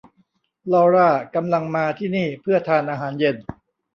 ลาร่ากำลังมาที่นี่เพื่อทานอาหารเย็น